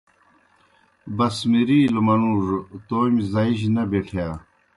بَسمِرِیلوْ منُوڙوْ تومیْ زائی جیْ نہ بیٹِھیا۔